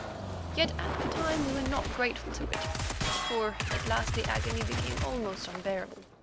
Yet at the time we were not grateful to it, for at last the agony became almost unbearable.